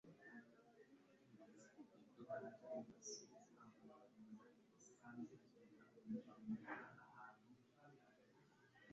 gikombe cya Ifutaheli rukagera i Betemeki n i Neyeli